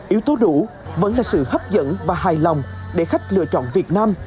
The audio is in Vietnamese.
yếu tố đủ vẫn là sự hấp dẫn và hài lòng để khách lựa chọn việt nam